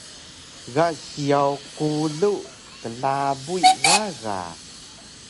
Ga siyaw kulu klabuy gaga